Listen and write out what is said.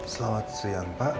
selamat siang pak